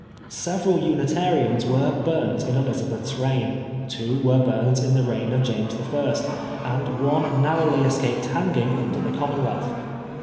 Several Unitarians were burnt in Elizabeth's reign, two were burnt in the reign of James L, and one narrowly escaped hanging under the Commonwealth.